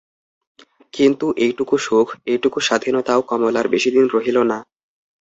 কিন্তু এইটুকু সুখ, এইটুকু স্বাধীনতাও কমলার বেশি দিন রহিল না।